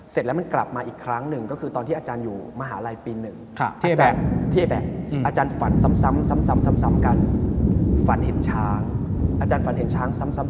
เสร็จแล้วมันกลับมาอีกครั้งหนึ่งก็คือตอนที่อาจารย์อยู่มหาลัยปีหนึ่ง